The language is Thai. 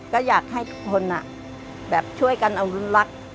ก็อยากให้ทุกคนช่วยกันอนุรักษ์